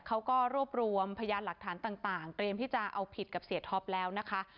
เขาก็รวบรวมพยานหลักฐานต่างเตรียมที่จะเอาผิดกับเสียท็อปแล้วนะคะ